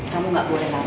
kamu gak boleh langsung